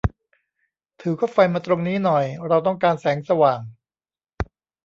ถือคบไฟมาตรงนี้หน่อย เราต้องการแสงสว่าง